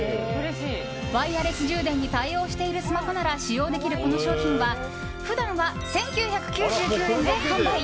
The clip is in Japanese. ワイヤレス充電に対応しているスマホなら使用できるこの商品は普段は１９９９円で販売。